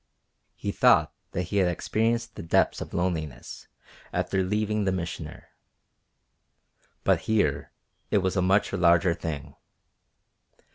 He thought that he had experienced the depths of loneliness after leaving the Missioner. But here it was a much larger thing.